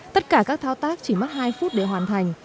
tất cả các thao tác chỉ mất hai phút để hoàn thành